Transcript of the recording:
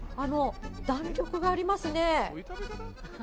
弾力がありますね。